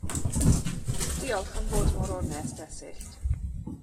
Diolch am fod mor onest Esyllt.